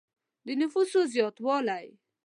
د نفوسو زیاتوالی.